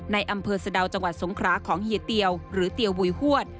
ในอำเภอสะดาวจังหวัดสงคราของเฮียเตียวหรือเตียวบุยหวด